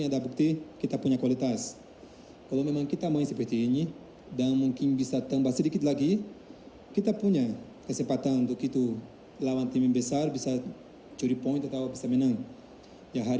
dan juga memperoleh keuntungan dan keuntungan yang lebih besar